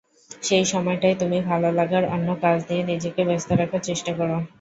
সেই সময়টায় তুমি ভালোলাগার অন্য কাজ নিয়ে নিজেকে ব্যস্ত রাখার চেষ্টা করো।